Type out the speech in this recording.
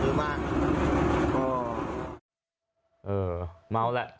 เออมาแล้ว